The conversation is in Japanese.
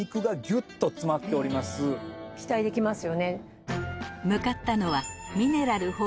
期待できますよね。